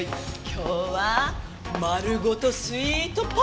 今日はまるごとスイートポテト！